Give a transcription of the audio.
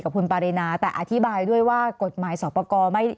คุณปารีนาแต่อธิบายด้วยว่ากฎหมายสอบประกอบไม่